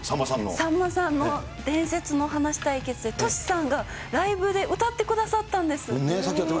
さんまさんも、伝説の話対決、トシさんがライブで歌ってくださったんです。